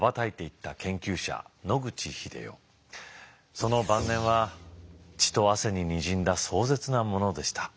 その晩年は血と汗に滲んだ壮絶なものでした。